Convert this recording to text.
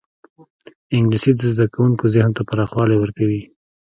انګلیسي د زدهکوونکو ذهن ته پراخوالی ورکوي